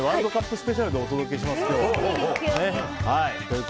スペシャルでお届けします。